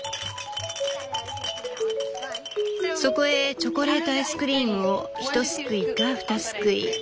「そこへチョコレートアイスクリームを１すくいか２すくい」。